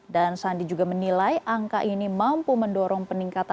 dan sandi juga menilai angka ini mampu mendorong peningkatan